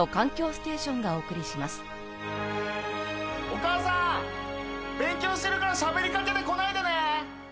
お母さん勉強してるからしゃべり掛けてこないでね。